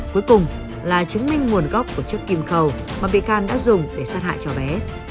cuối cùng là chứng minh nguồn gốc của chiếc kim khẩu mà bị can đã dùng để sát hại cho bé